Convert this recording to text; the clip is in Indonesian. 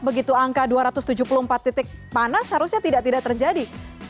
begitu angka dua ratus tujuh puluh empat titik panas harusnya tidak tidak terjadi